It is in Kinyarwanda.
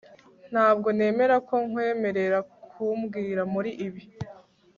ntabwo nemera ko nkwemerera kumbwira muri ibi